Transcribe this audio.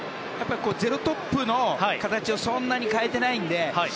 ０トップの形をそんなに変えてないので。